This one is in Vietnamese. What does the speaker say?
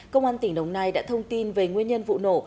công an tỉnh đồng nai đã thông tin về nguyên nhân vụ nổ